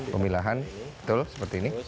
pemilahan betul seperti ini